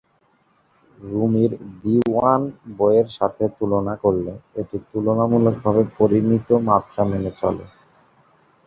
রুমির "দিওয়ান" বইয়ের সাথে তুলনা করলে এটি তুলনামূলকভাবে পরিমিত মাত্রা মেনে চলে।